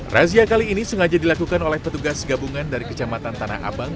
razia kali ini sengaja dilakukan oleh petugas gabungan dari kecamatan tanah abang